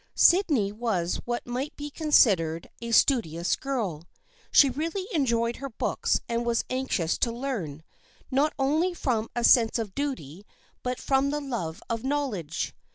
Sydney was what might be considered a studious girl. She really enjoyed her books and was anx ious to learn, not only from a sense of duty but 64 THE FRIENDSHIP OF ANNE 65 from the love of knowledge.